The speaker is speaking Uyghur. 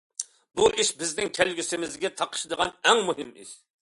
بۇ ئىش بىزنىڭ كەلگۈسىمىزگە تاقىشىدىغان ئەڭ مۇھىم ئىش.